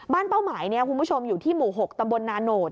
บ้านเป้าหมายคุณผู้ชมอยู่ที่หมู่๖ตำบลนานโหน